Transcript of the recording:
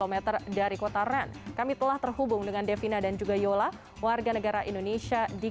dari kota ren kami telah terhubung dengan devina dan juga yola warga negara indonesia di